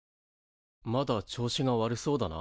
まだ調子が悪そうだな。